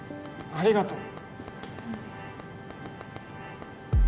ありがとう。